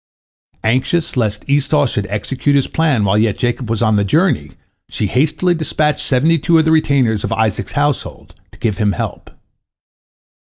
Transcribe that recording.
Anxious lest Esau should execute his plan while yet Jacob was on the journey, she hastily dispatched seventy two of the retainers of Isaac's household, to give him help.